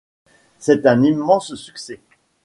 C'est un immense succès.